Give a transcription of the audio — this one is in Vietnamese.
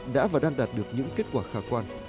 đã và đang đạt được những kết quả khả quan